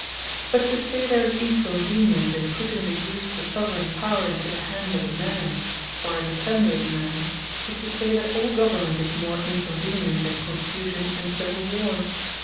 But to say there is inconvenience, in putting the use of the Soveraign Power, into the hand of a Man, or an Assembly of men; is to say that all Government is more Inconvenient, than Confusion, and Civill Warre.